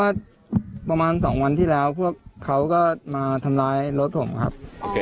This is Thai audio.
ว่าประมาณสองวันที่แล้วเขาก็มาทำลายรถผมครับ